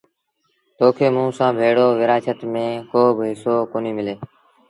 تو کي موٚنٚ سآݩٚ ڀيڙو ورآڇت ميݩ ڪو با هسو ڪونهيٚ ملي۔